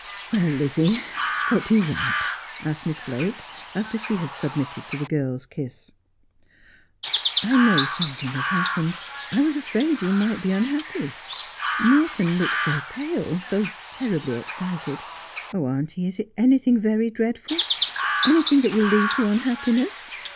' Well, Lizzie, what do you want ?' asked Miss Blake, after she had submitted to the girl's kiss. ' I know something has happened. I was afraid you might be unhappy. Morton looked so pale— so terribly excited. Oh, auntie, is it anything very dreadful, anything that will lead to unhappiness